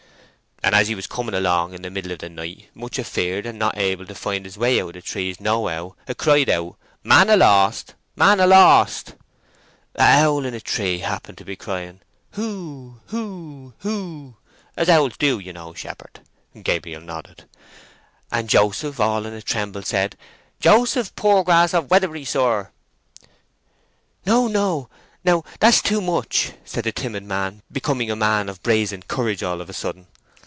"And as he was coming along in the middle of the night, much afeared, and not able to find his way out of the trees nohow, 'a cried out, 'Man a lost! man a lost!' A owl in a tree happened to be crying 'Whoo whoo whoo!' as owls do, you know, shepherd" (Gabriel nodded), "and Joseph, all in a tremble, said, 'Joseph Poorgrass, of Weatherbury, sir!'" "No, no, now—that's too much!" said the timid man, becoming a man of brazen courage all of a sudden.